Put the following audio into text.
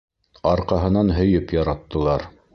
Арҡаһынан һөйөп яраттылар.